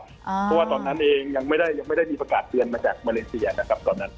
เพราะว่าตอนนั้นเองยังไม่ได้มีประกาศเตือนมาจากมาเลเซียนะครับตอนนั้น